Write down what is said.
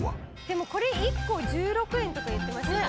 でもこれ１個１６円とか言ってましたよ。